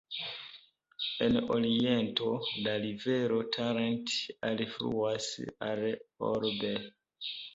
En oriento la rivero Talent alfluas al Orbe.